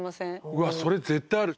うわっそれ絶対ある。